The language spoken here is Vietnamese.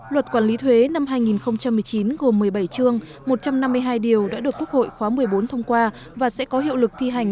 luật quản lý thuế năm hai nghìn một mươi chín gồm một mươi bảy chương một trăm năm mươi hai điều đã được quốc hội khóa một mươi bốn thông qua và sẽ có hiệu lực thi hành